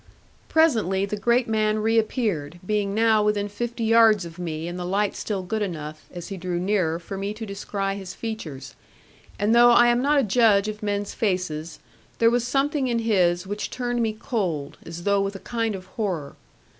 Presently the great man reappeared, being now within fifty yards of me, and the light still good enough, as he drew nearer for me to descry his features: and though I am not a judge of men's faces, there was something in his which turned me cold, as though with a kind of horror.